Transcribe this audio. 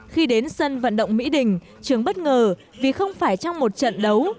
khi đến sân vận động mỹ đình trường bất ngờ vì không phải trong một trận đấu